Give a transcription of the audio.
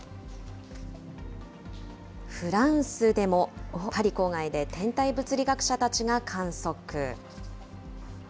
フランスでも、パリ郊外で天体物理学者たちが観測。